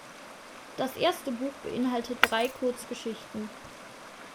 Das erste Buch beinhaltet drei Kurzgeschichten.